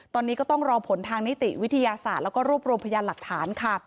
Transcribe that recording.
ตอนนี้ก็ต้องรอผลทางนิติวิทยาศาสตร์แล้วก็รวบรวมพยานหลักฐานค่ะ